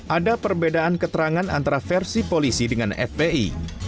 ada perbedaan keterangan antara versi polisi dengan fpi